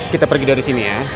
kita pergi dari sini ya